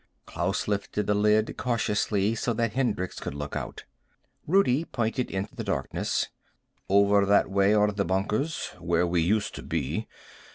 Klaus lifted the lid cautiously so that Hendricks could look out. Rudi pointed into the darkness. "Over that way are the bunkers. Where we used to be.